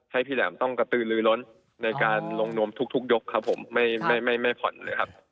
ให้พี่แหลมต้องกระตือลือล้นในการลงนวมทุกยกครับผมไม่ไม่ผ่อนเลยครับ